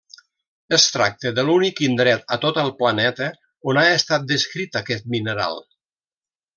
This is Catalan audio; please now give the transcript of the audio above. Es tracta de l'únic indret a tot el planeta on ha estat descrit aquest mineral.